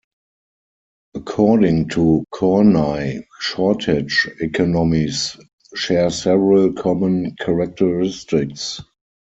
According to Kornai, shortage economies share several common characteristics.